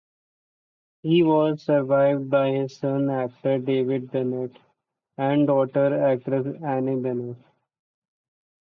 He was survived by his son, actor David Bennent, and daughter, actress Anne Bennent.